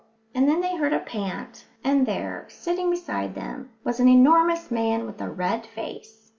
And then they heard a pant, and there, sitting beside them, was an enormous man with a red face.